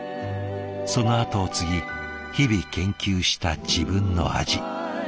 そのあとを継ぎ日々研究した自分の味。